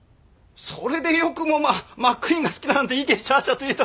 それでよくもまあマックイーンが好きだなんていけしゃあしゃあと言えた。